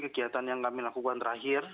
kegiatan yang kami lakukan terakhir